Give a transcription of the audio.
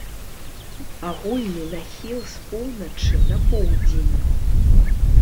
Агульны нахіл з поўначы на поўдзень.